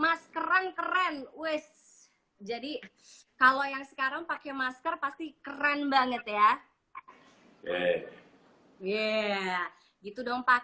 maskeran keren wis jadi kalau yang sekarang pakai masker pasti keren banget ya gitu dong pak